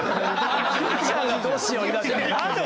金ちゃんがどうしように。